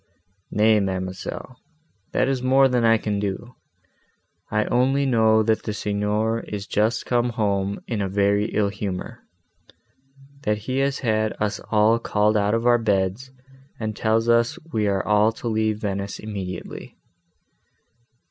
"Nay, ma'amselle, that is more than I can do. I only know that the Signor is just come home in a very ill humour, that he has had us all called out of our beds, and tells us we are all to leave Venice immediately."